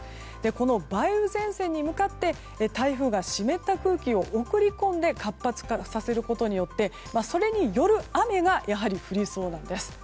この梅雨前線に向かって台風が湿った空気を送り込んで活発化させることによってそれによる雨がやはり降りそうなんです。